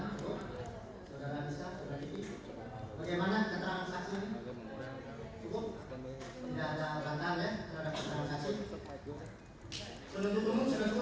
bisa segera menuntaskan nasi jama'am yang merupakan kemasin saksi